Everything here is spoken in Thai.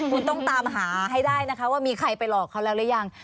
คุณต้องตามหาให้ได้นะคะว่ามีใครไปหลอกเขาแล้วหรือยัง